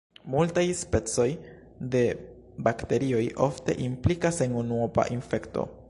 Multaj specoj de bakterioj ofte implikas en unuopa infekto.